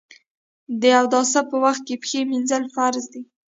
د اودس په وخت کې پښې مینځل فرض دي.